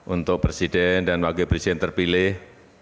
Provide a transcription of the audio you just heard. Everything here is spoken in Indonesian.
untuk presiden dan wakil presiden terpilih